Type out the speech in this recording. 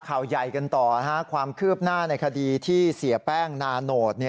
ข่าวใหญ่กันต่อความคืบหน้าในคดีที่เสียแป้งนาโนต